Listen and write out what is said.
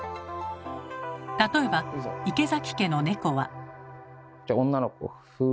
例えば池崎家の猫は。